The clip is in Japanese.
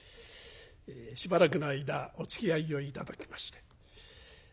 しばらくの間おつきあいを頂きまして。